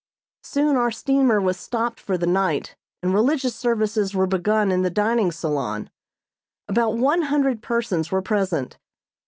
Soon our steamer was stopped for the night, and religious services were begun in the dining salon. About one hundred persons were present.